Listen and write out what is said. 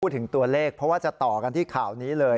ถึงตัวเลขเพราะว่าจะต่อกันที่ข่าวนี้เลย